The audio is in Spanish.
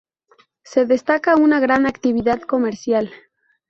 Se destaca una gran actividad comercial.